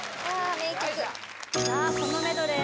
名曲さあこのメドレー